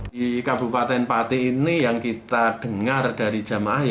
di kabupaten pati ini yang kita dengar dari jamaah